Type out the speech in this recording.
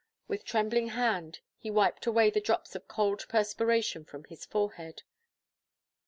With trembling hand he wiped away the drops of cold perspiration from his forehead.